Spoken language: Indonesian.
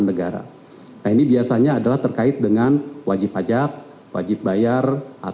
nah ini biasanya adalah terkait dengan wajib pajak wajib bayar